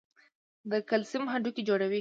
د کلسیم هډوکي جوړوي.